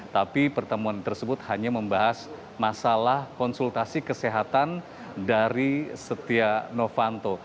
tapi pertemuan tersebut hanya membahas masalah konsultasi kesehatan dari setia novanto